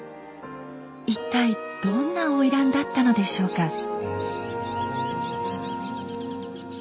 一体どんな花魁だったのでしょうか？